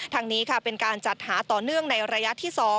ทางนี้ค่ะเป็นการจัดหาต่อเนื่องในระยะที่๒